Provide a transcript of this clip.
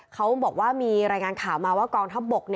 เขาบอกว่ามีรายงานข่าวมาว่ากองทัพบก